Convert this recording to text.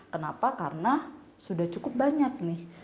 kenapa karena sudah cukup banyak nih